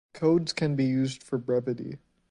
Codes can be used for brevity.